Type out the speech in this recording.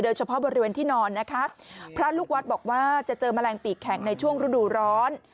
เฉพาะบริเวณที่นอนนะคะพระลูกวัดบอกว่าจะเจอแมลงปีกแข็งในช่วงฤดูร้อน